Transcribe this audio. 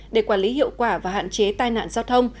để quản lý hiệu quả và hạn chế tai nạn giao thông